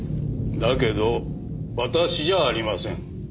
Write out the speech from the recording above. だけど私じゃありません。